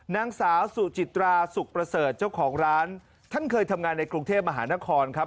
นางสาวสุจิตราสุขประเสริฐเจ้าของร้านท่านเคยทำงานในกรุงเทพมหานครครับ